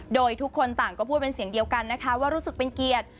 โดยทุกคนต่างก็พูดเป็นเสียงเดียวกันนะคะว่ารู้สึกเป็นเกียรติ